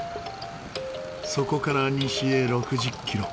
そこから西へ６０キロ。